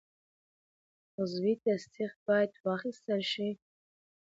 عضوي تصدیق باید واخیستل شي.